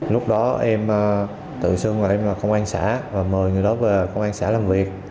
lúc đó em tự xưng vào em công an xã và mời người đó về công an xã làm việc